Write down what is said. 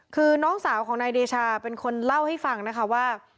คือน้องสาวของนายเดชาเป็นคนเล่าให้ฟังนะคะว่า